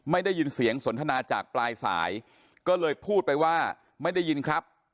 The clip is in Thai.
ไม่ได้ยินเสียงสนทนาจากปลายสายก็เลยพูดไปว่าไม่ได้ยินครับ